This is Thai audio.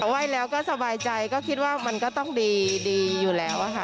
ไหว้แล้วก็สบายใจก็คิดว่ามันก็ต้องดีอยู่แล้วค่ะ